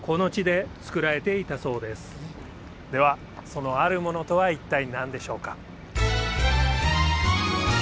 そのあるものとは一体何でしょうか？